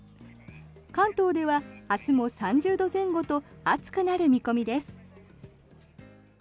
関東では明日も３０度前後と暑くなる見込みです。